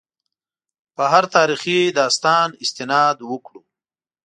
په هر تاریخي داستان استناد وکړو.